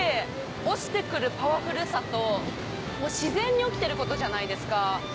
落ちて来るパワフルさともう自然に起きてることじゃないですか。